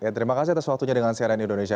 terima kasih atas waktunya dengan cnn indonesia